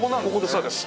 そうです。